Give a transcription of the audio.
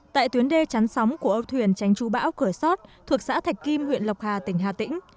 tại tuyến đê chắn sóng của âu thuyền tránh chú bão cửa sót thuộc xã thạch kim huyện lộc hà tỉnh hà tĩnh